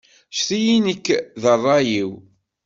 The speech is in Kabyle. Ǧǧet-iyi nekk d ṛṛay-iw.